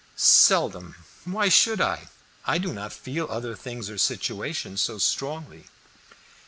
"Seldom; why should I? I do not feel other things or situations so strongly."